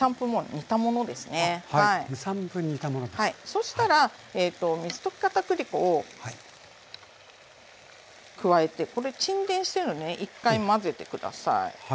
そしたら水溶き片栗粉を加えてこれ沈殿してるのでね１回混ぜて下さい。